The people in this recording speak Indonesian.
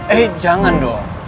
eh jangan dong